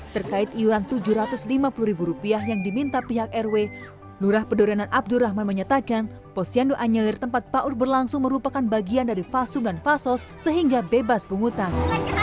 terkait iuran rp tujuh ratus lima puluh yang diminta pihak rw lurah pedurenan abdurrahman menyatakan posyandu anyelir tempat paut berlangsung merupakan bagian dari fasul dan fasos sehingga bebas penghutang